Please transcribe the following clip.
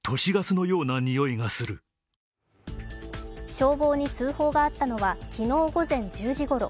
消防に通報があったのは昨日午前１０時ごろ。